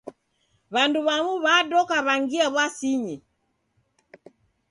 W'andu w'amu w'adoka w'angia w'asinyi.